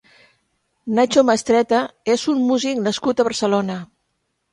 Nacho Mastretta és un músic nascut a Barcelona.